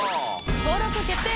登録決定！